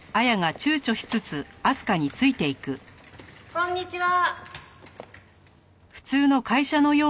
こんにちは。